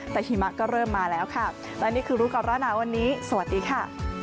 แต่หิมะก็เริ่มมาแล้วค่ะและนี่คือรู้ก่อนร้อนหนาวันนี้สวัสดีค่ะ